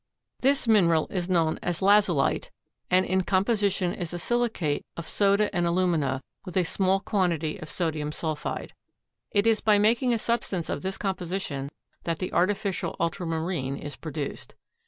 This mineral is known as lazulite and in composition is a silicate of soda and alumina with a small quantity of sodium sulphide. It is by making a substance of this composition that the artificial ultramarine is produced.